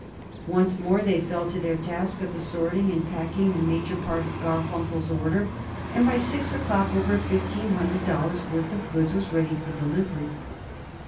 Once more they fell to their task of assorting and packing the major part of Garfunkel's order, and by six o'clock over fifteen hundred dollars' worth of goods was ready for delivery.